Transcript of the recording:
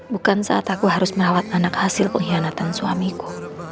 bukan saat aku harus merawat anak hasil pengkhianatan suamiku